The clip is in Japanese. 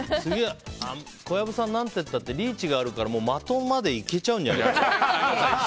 小籔さん、何て言ったってリーチがあるから的まで行けちゃうんじゃない？